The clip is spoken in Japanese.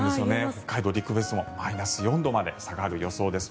北海道陸別もマイナス４度まで下がる予想です。